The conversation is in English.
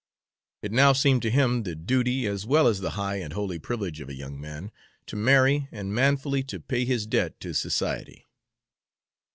It now seemed to him the duty, as well as the high and holy privilege of a young man, to marry and manfully to pay his debt to society.